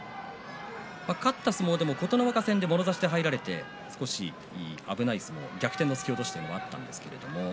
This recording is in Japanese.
勝った相撲でも琴ノ若戦でもろ差しで入られて少し危ない相撲逆転の突き落としがありました。